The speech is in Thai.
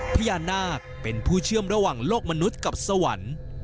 พญานาคเป็นผู้เชื่อมระหว่างโลกมนุษย์กับสวรรค์